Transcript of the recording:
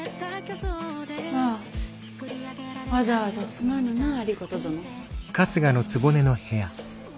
ああわざわざすまぬな有功殿。